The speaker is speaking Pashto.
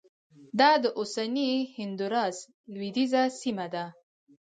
دا د اوسني هندوراس لوېدیځه سیمه ده